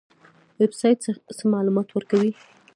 ویب سایټ څه معلومات ورکوي؟